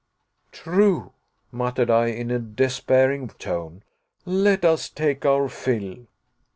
"True," muttered I in a despairing tone, "let us take our fill."